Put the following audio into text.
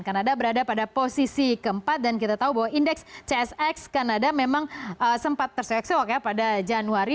kanada berada pada posisi keempat dan kita tahu bahwa indeks csx kanada memang sempat terseok seok ya pada januari